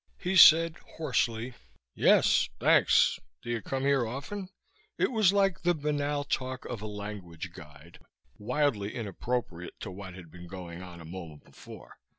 He said hoarsely, "Yes, thanks. Do you come here often?" It was like the banal talk of a language guide, wildly inappropriate to what had been going on a moment before.